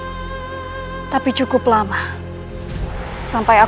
aku tidak melakukan hal hal kecil seperti ini